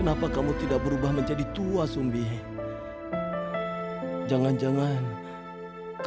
bapak maafkan sumbi pak